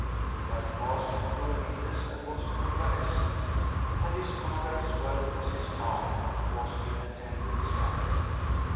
He had passed through an illness and was convalescent, and his mother, as well as his aunt, was in attendance on him.